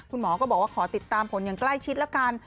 คุณหมอก็บอกว่าขอติดตามผลอย่างใกล้ชิดละกัน